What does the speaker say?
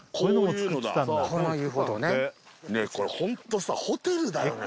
ねこれホントさホテルだよね。